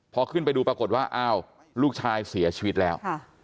พอขึ้นไปดูปรากฏว่าอ้าวลูกชายเสียชีวิตแล้ว